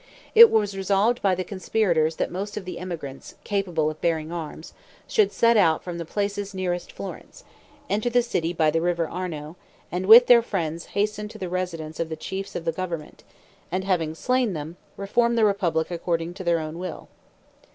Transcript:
It was resolved by the conspirators that most of the emigrants, capable of bearing arms, should set out from the places nearest Florence, enter the city by the river Arno, and with their friends hasten to the residences of the chiefs of the government; and having slain them, reform the republic according to their own will.